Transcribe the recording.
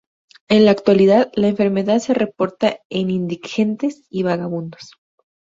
En la actualidad, la enfermedad se reporta en indigentes y vagabundos.